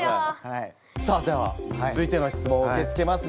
さあでは続いての質問を受け付けます。